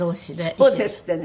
そうですってね。